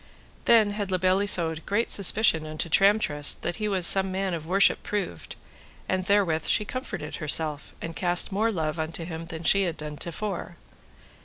Then had La Beale Isoud great suspicion unto Tramtrist, that he was some man of worship proved, and therewith she comforted herself, and cast more love unto him than she had done to fore.